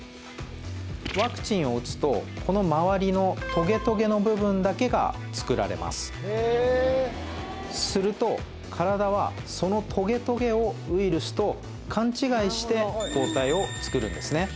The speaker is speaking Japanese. ワクチンを打つとこの周りのトゲトゲの部分だけがつくられますすると体はそのトゲトゲをウイルスと勘違いして抗体をつくるんですね